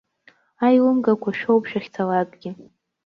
Аилымгақәа шәоуп шәахьцалакгьы.